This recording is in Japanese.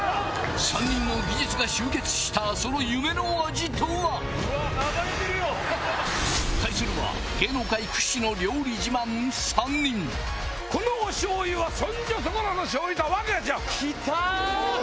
３人の技術が集結したその夢の味とは⁉対するは芸能界屈指の料理自慢３人そんじょそこらのしょう油とは来た！